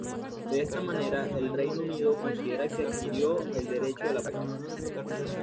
De esta manera, el Reino Unido considera que adquirió el derecho en la práctica.